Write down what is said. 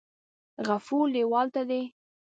غفور لیوال ته دې